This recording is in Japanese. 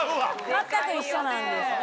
全く一緒なんですね。